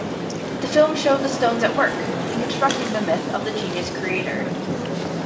The film showed the Stones at work, deconstructing the myth of the genius creator.